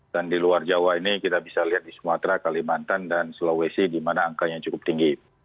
dan di luar jawa ini kita bisa lihat di sumatera kalimantan dan sulawesi di mana angkanya cukup tinggi